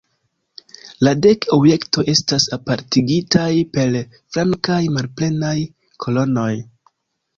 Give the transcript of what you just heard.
La dek objektoj estas apartigitaj per flankaj malplenaj kolonoj.